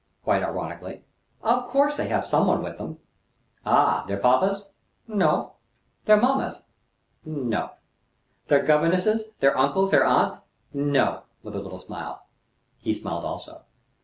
quite ironically. "Of course they have some one with them." "Ah! Their papas?" "No." "Their mammas?" "No." "Their governesses, their uncles, their aunts?" "No," with a little smile. He smiled also.